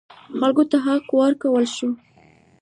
خلکو ته حق ورکړل شو.